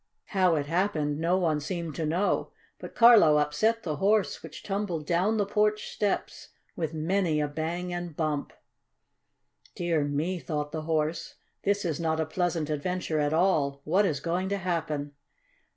How it happened no one seemed to know, but Carlo upset the Horse, which tumbled down the porch steps with many a bang and bump. "Dear me!" thought the Horse, "This is not a pleasant adventure at all! What is going to happen?"